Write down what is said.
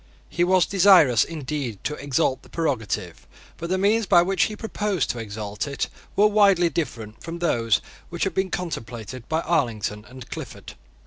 He was desirous, indeed, to exalt the prerogative: but the means by which he proposed to exalt it were widely different from those which had been contemplated by Arlington and Clifford.